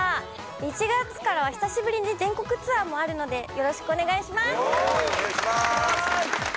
１月からは久しぶりに全国ツアーもあるのでよろしくお願いします！